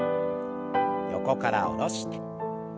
横から下ろして。